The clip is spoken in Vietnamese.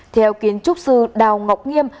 theo kiến trúc sư đào ngọc nghiêm